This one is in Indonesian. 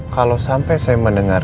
kalsam mau kemana ya